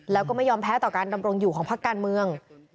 แล้วก็ไม่ยอมแพ้ต่อการดำรงอยู่ของพักการเมือง